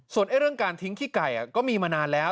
ส่วนเรื่องการทิ้งขี้ไก่ก็มีมานานแล้ว